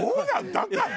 だから？